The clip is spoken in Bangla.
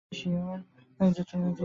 জ্বি, শিউর!